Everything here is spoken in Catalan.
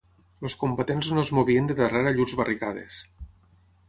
Els combatents no es movien de darrere llurs barricades